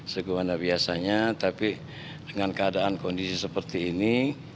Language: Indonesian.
sebagaimana biasanya tapi dengan keadaan kondisi seperti ini